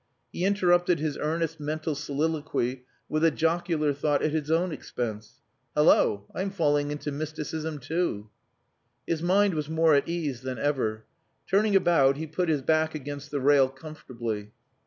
He interrupted his earnest mental soliloquy with a jocular thought at his own expense. "Hallo! I am falling into mysticism too." His mind was more at ease than ever. Turning about he put his back against the rail comfortably.